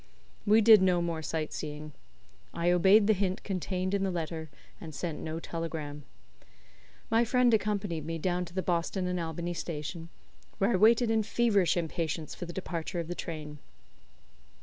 We did no more sight seeing. I obeyed the hint contained in the letter, and sent no telegram. My friend accompanied me down to the Boston and Albany station, where I waited in feverish impatience for the departure of the train.